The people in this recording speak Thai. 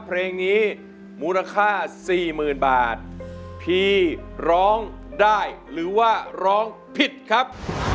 เพลงนี้มูลค่าสี่หมื่นบาทพี่ร้องได้หรือว่าร้องผิดครับ